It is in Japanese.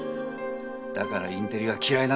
だからインテリは嫌いなんだ。